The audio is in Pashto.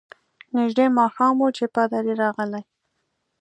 نژدې ماښام وو چي پادري راغلی.